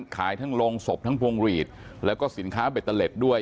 ขายทั้งโรงศพทั้งพวงหลีดแล้วก็สินค้าเบตเตอร์เล็ตด้วย